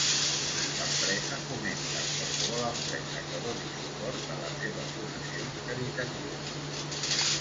L'empresa fomenta qualsevol empresa que doni suport a les seves donacions caritatives.